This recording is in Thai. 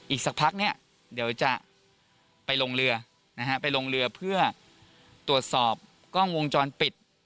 อีกสักพักเนี่ยเดี๋ยวจะไปลงเรือนะฮะไปลงเรือเพื่อตรวจสอบกล้องวงจรปิด